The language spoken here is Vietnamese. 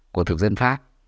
của thực dân pháp